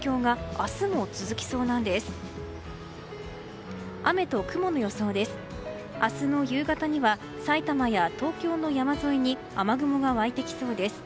明日の夕方にはさいたまや東京の山沿いに雨雲が湧いてきそうです。